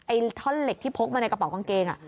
ท่อนเหล็กที่พกมาในกระเป๋ากางเกง